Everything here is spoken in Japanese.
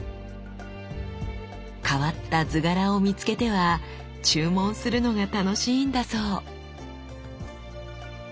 変わった図柄を見つけては注文するのが楽しいんだそう！